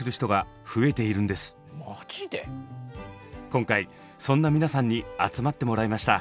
今回そんな皆さんに集まってもらいました。